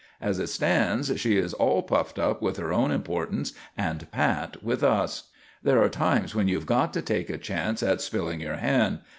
As it stands, she is all puffed up with her own importance and pat with us. There are times when you have got to take a chance at spilling your hand.